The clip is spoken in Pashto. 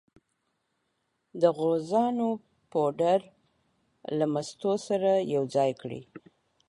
د غوزانو پوډر له مستو سره یو ځای کړئ.